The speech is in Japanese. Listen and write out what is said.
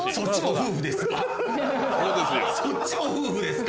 そっちも夫婦ですか？